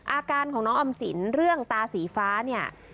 อาการของน้องออมสินเรื่องตาสีฟ้าเนี่ย